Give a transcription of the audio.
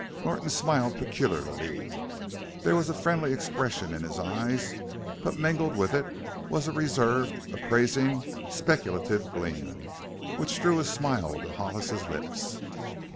Norton smiled peculiarly; there was a friendly expression in his eyes, but mingled with it was a reserved, appraising, speculative gleam, which drew a smile to Hollis's lips.